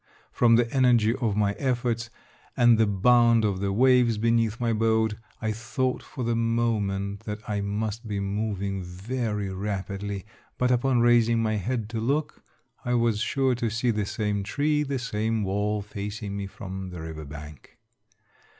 From the energy of my efforts and the bound of the waves beneath my boat, I thought for the moment that I must be moving very rapidly, but upon raising my head to look, I was sure to see the same tree, the same wall facing me from the river bank.